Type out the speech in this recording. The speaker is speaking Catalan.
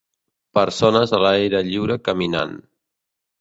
Persones a l'aire lliure caminant.